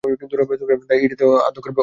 তাই এই জাতীয় আদ্যক্ষর ব্যবহার অপমানজনক।